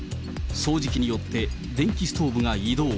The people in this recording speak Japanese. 掃除機によって、電気ストーブが移動。